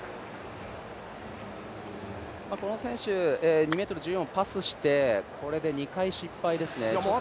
この選手２ｍ１４、パスして、これで２回失敗ですね。